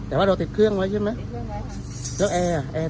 แต่ว่าถ้าเครื่องดับจำเป็นอุตสาหรณ์